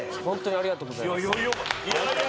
ありがとうございます。